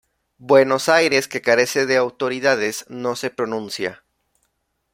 Buenos Aires que carece de autoridades, no se pronuncia.